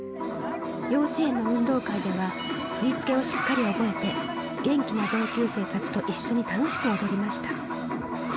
幼稚園の運動会では、振り付けをしっかり覚えて、元気な同級生たちと一緒に楽しく踊りました。